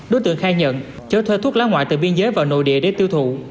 đối tượng khai nhận chở thuê thuốc lá ngoại từ biên giới vào nội địa để tiêu thụ